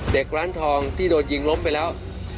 ร้านทองที่โดนยิงล้มไปแล้ว